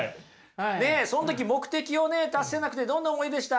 その時目的をね達せなくてどんな思いでした？